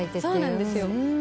そうなんですよ。